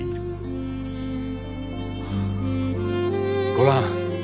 ごらん。